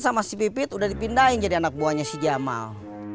sama si pipit udah dipindahin jadi anak buahnya si jamal